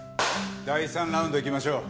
第３ラウンドいきましょう。